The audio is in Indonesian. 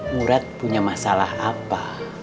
murad punya masalah apa